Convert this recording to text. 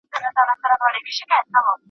تاسي په خپل ژوند کي د کوم نعمت شکر ادا کړی دی؟